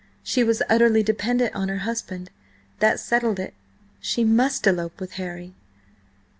She was utterly dependent on her husband. That settled it: she must elope with Harry!